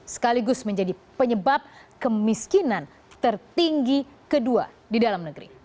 sekaligus menjadi penyebab kemiskinan tertinggi kedua di dalam negeri